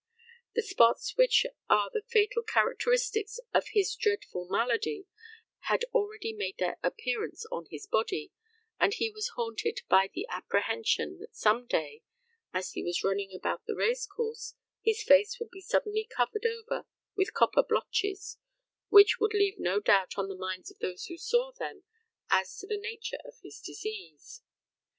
The spots which are the fatal characteristics of his dreadful malady had already made their appearance on his body, and he was haunted by the apprehension that some day, as he was running about the race course, his face would be suddenly covered over with copper blotches, which would leave no doubt on the minds of those who saw them as to the true nature of his disease.